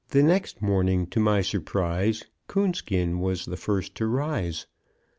Next morning, to my surprise, Coonskin was the first to rise.